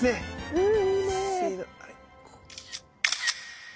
うん。